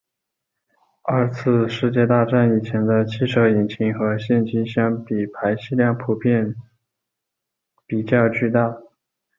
二次世界大战以前的汽车引擎和现今相比排气量普遍比较巨大。